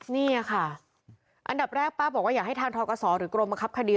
นี่ค่ะอันดับแรกป้าบอกว่าอยากให้ทางทกศหรือกรมบังคับคดี